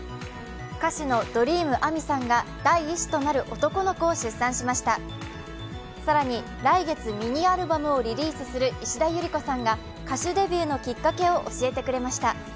歌手のＤｒｅａｍＡｍｉさんが第１子となる男の子を出産しました更に、来月ミニアルバムをリリースする石田ゆり子さんが歌手デビューのきっかけを教えてくれました。